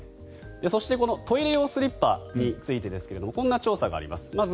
そしてトイレ用スリッパについてですがこんな調査があります。